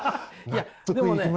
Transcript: いやでもね